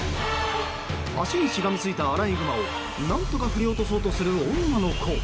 足にしがみついたアライグマを何とか振り落とそうとする女の子。